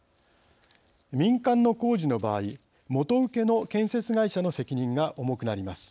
民間の工事の場合元請けの建設会社の責任が重くなります。